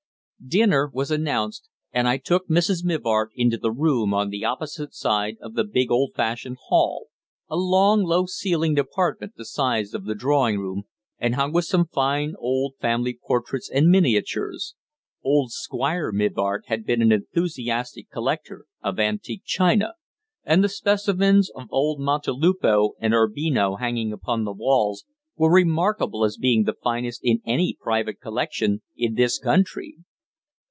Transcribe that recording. Dinner was announced, and I took Mrs. Mivart into the room on the opposite side of the big old fashioned hall, a long, low ceilinged apartment the size of the drawing room, and hung with some fine old family portraits and miniatures. Old Squire Mivart had been an enthusiastic collector of antique china, and the specimens of old Montelupo and Urbino hanging upon the walls were remarkable as being the finest in any private collection in this country.